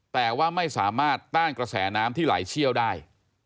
แต่ว่าไม่สามารถต้านกระแสน้ำที่ไหลเชี่ยวได้